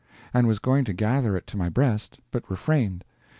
and was going to gather it to my breast. But refrained.